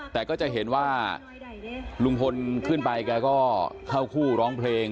แต่ก็จะเห็นว่าลุงพลขึ้นไปแกก็เข้าคู่ร้องเพลง